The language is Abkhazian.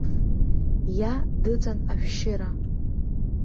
Иа дыҵан ашәшьыра.